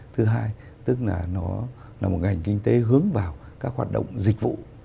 thứ hai tức là nó là một ngành kinh tế hướng vào các hoạt động dịch vụ